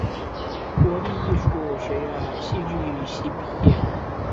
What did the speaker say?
国立艺术学院戏剧系毕业。